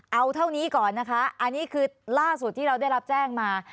เอาเท่านี้ก่อนนะคะอันนี้คือล่าสุดที่เราได้รับแจ้งมา